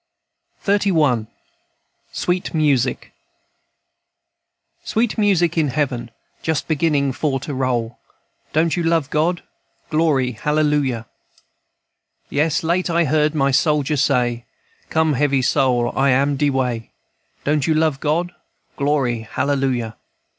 XXXI. SWEET MUSIC "Sweet music in heaven, Just beginning for to roll. Don't you love God? Glory, hallelujah! "Yes, late I heard my soldier say, Come, heavy soul, I am de way. Don't you love God? Glory, hallelujah!